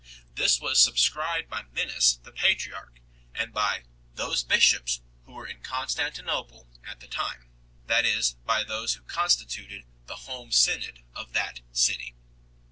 This was subscribed by Mennas the patriarch, and by " those bishops who were in Constantinople at the time 4 ;" that is, by those who constituted the Home Synod 5 of that city.